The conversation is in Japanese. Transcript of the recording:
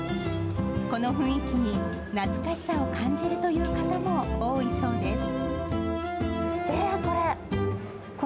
この雰囲気に懐かしさを感じるという方も多いそうです。